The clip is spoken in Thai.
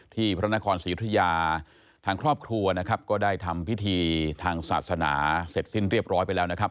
พระนครศรียุธยาทางครอบครัวนะครับก็ได้ทำพิธีทางศาสนาเสร็จสิ้นเรียบร้อยไปแล้วนะครับ